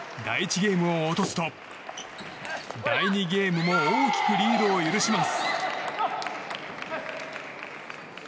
ゲームを落とすと第２ゲームも大きくリードを許します。